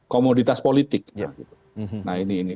kemudian kita bisa membuat komoditas politik